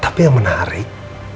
tapi yang menarik